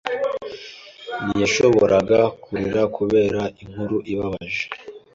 Ntiyashoboraga kurira kubera inkuru ibabaje.